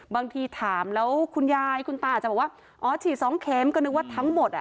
บางทีถามแล้วคุณยายคุณตาอาจจะบอกว่าอ๋อฉีดสองเข็มก็นึกว่าทั้งหมดอ่ะ